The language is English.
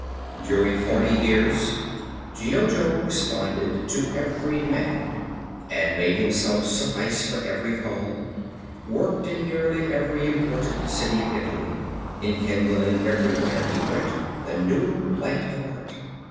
During forty years Giotto responded to every demand, and made himself suffice for every call, worked in nearly every important city of Italy, enkindling everywhere he went the new light of art.